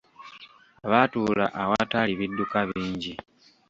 Baatula awataali bidduka bingi.